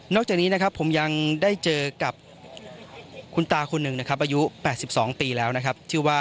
นอกจากนี้ผมยังได้เจอกับคุณตา๘๑ปีแล้ว